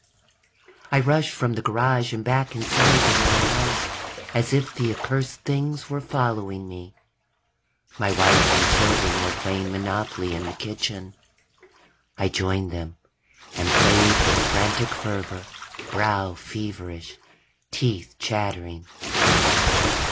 _ I rushed from the garage and back inside the warm house, as if the accursed things were following me. My wife and children were playing Monopoly in the kitchen. I joined them and played with frantic fervor, brow feverish, teeth chattering.